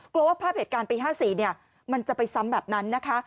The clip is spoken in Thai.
ว่าภาพเหตุการณ์ปี๕๔มันจะไปซ้ำแบบนั้นนะคะ